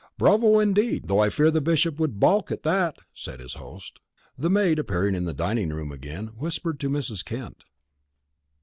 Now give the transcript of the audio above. "Bravo indeed, though I fear the Bishop would balk at that," said his host. The maid, appearing in the dining room again, whispered to Mrs. Kent.